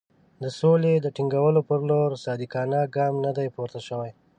د سولې د ټینګولو پر لور صادقانه ګام نه دی پورته شوی.